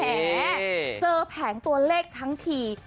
เจอแผงตัวเลขทั้งที